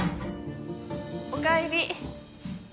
おかえり。